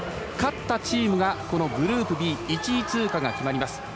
勝ったチームが、このグループＢ１位通過が決まります。